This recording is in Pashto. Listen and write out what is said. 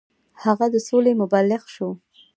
هغه د سولې مبلغ شو.